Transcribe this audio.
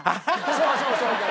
そうそうそうそう。